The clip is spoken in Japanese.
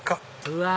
うわ！